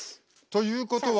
ということは。